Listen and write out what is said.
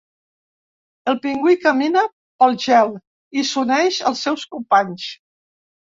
El pingüí camina pel gel i s'uneix als seus companys.